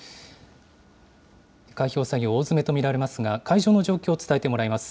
開票作業、大詰めと見られますが、会場の状況を伝えてもらいます。